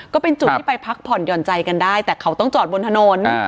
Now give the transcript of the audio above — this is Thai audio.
ก็เป็นจุดที่ไปพักผ่อนหย่อนใจกันได้แต่เขาต้องจอดบนถนน